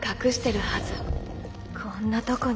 こんなとこに。